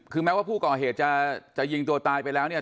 คือแม้ว่าผู้ก่อเหตุจะยิงตัวตายไปแล้วเนี่ย